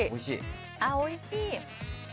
おいしい。